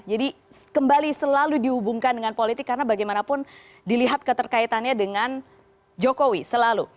jadi kembali selalu dihubungkan dengan politik karena bagaimanapun dilihat keterkaitannya dengan jokowi selalu